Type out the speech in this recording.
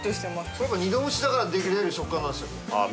それやっぱ２度蒸しだからできる食感なんですよああ